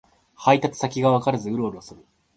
配達先がわからずウロウロする